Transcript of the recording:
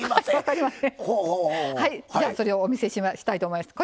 じゃあ、それをお見せしたいと思います。